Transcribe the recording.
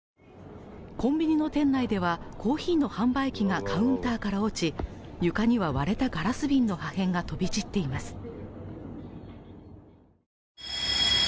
コンビニの店内ではコーヒーの販売機がカウンターから落ち、床には割れたガラス瓶の破片が飛び散っています。